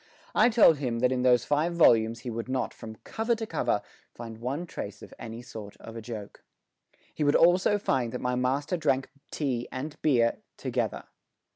I told him that in those five volumes he would not, from cover to cover, find one trace of any sort of a joke. He would also find that my master drank tea and beer together.